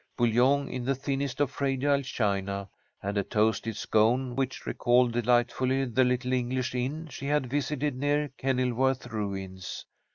Bouillon in the thinnest of fragile china, and a toasted scone which recalled delightfully the little English inn she had visited near Kenilworth ruins.